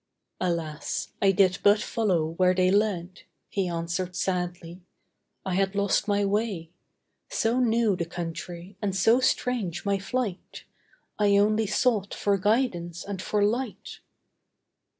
'Alas! I did but follow where they led,' He answered sadly: 'I had lost my way— So new the country, and so strange my flight; I only sought for guidance and for light.